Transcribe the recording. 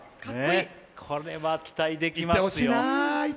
これは期待できますよ。